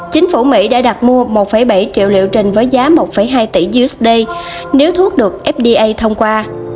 chính phủ mỹ đã đặt mua một bảy triệu liệu trình với giá một hai tỷ usd nếu thuốc được fda thông qua